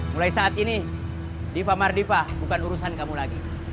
mulai saat ini diva mardipa bukan urusan kamu lagi